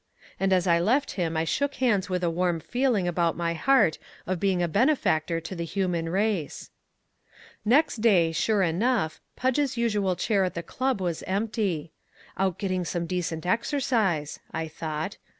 And as I left him I shook hands with a warm feeling about my heart of being a benefactor to the human race. Next day, sure enough, Podge's usual chair at the club was empty. "Out getting some decent exercise," I thought.